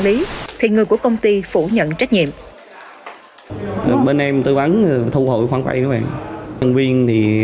lý thì người của công ty phủ nhận trách nhiệm ở bên em tư vấn thu hồi khoản vay các bạn nhân viên thì